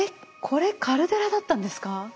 これカルデラだったんですか？